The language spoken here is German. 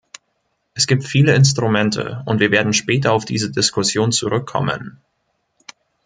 Es gibt viele Instrumente, und wir werden später auf diese Diskussion zurückkommen.